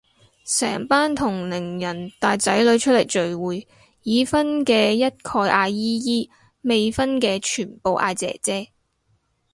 成班同齡人帶仔女出嚟聚會，已婚嘅一概嗌姨姨，未婚嘅全部嗌姐姐